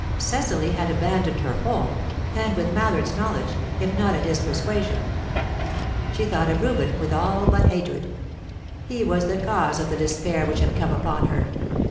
Cecily had abandoned her home, and with Mallard's knowledge, if not at his persuasion. She thought of Reuben with all but hatred. He was the cause of the despair which had come upon her.